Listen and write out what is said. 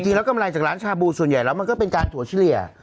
จริงแล้วกำไรจากร้านชาบูส่วนใหญ่แล้วมันก็เป็นการถั่วชิเลีย